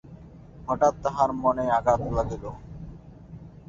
হঠাৎ তাহার মনে আঘাত লাগিল।